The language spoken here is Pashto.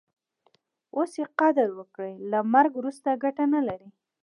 اوس ئې قدر وکړئ! له مرګ وروسته ګټه نه لري.